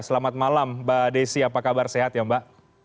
selamat malam mbak desi apa kabar sehat ya mbak